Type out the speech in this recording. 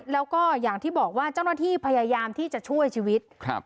แล้วก็อย่างที่บอกว่าเจ้าหน้าที่พยายามที่จะช่วยชีวิตครับ